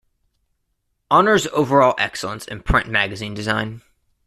Honors overall excellence in print magazine design.